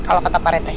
kalau kata pak retek